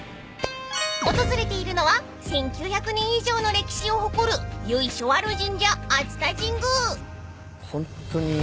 ［訪れているのは１，９００年以上の歴史を誇る由緒ある神社］